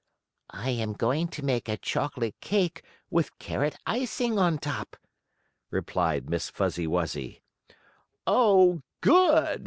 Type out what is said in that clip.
"I am going to make a chocolate cake with carrot icing on top," replied Miss Fuzzy Wuzzy. "Oh, good!"